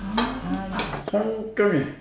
本当に。